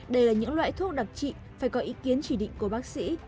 đây là những loại thuốc đặc trị phải có ý kiến chỉ định của bác sĩ